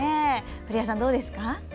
古谷さん、どうでしょうか？